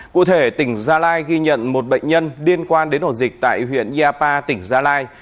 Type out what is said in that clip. cụ thể tỉnh gia lai ghi nhận một bệnh nhân liên quan đến ổ dịch tại huyện yapa tỉnh gia lai